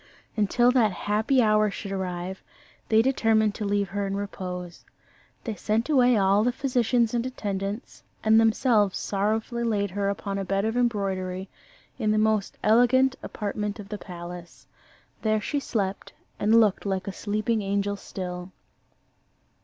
Until that happy hour should arrive, they determined to leave her in repose. They sent away all the physicians and attendants, and themselves sorrowfully laid her upon a bed of embroidery, in the most elegant apartment of the palace. There she slept and looked like a sleeping angel still.